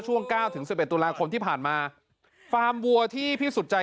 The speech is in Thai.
ช่วงเก้าถึงสิบเอ็ดตุลาคมที่ผ่านมาฟาร์มวัวที่พี่สุดใจ